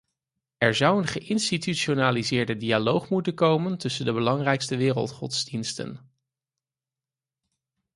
Er zou een geïnstitutionaliseerde dialoog moeten komen tussen de belangrijkste wereldgodsdiensten.